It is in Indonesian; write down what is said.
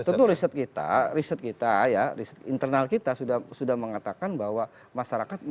tentu riset kita riset kita ya internal kita sudah mengatakan bahwa masyarakat